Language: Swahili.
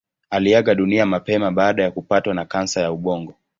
Aliaga dunia mapema baada ya kupatwa na kansa ya ubongo.